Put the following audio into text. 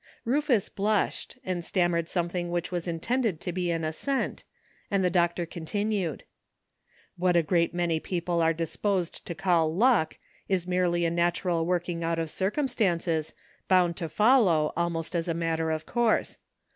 Rufus blushed, and stammered something which was intended to be an assent, and the doctor continued :'' What a great many peo ple are disposed to call ' luck ' is merely a natu ral working out of circumstances, bound to follow almost as a matter of course.